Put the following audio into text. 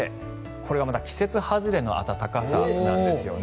これがまた季節外れの暖かさなんですよね。